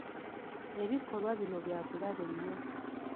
Ebikolwa bino bya bulabe nnyo.